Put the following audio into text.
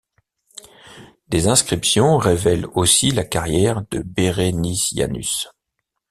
Des inscriptions révèlent aussi la carrière de Berenicianus.